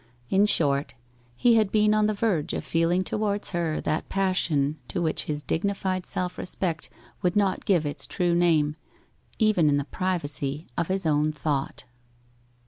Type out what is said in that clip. In short, he had been on the verge of feeling towards her that passion to which his dignified self respect would not give its true name, even in the privacy of his own thought.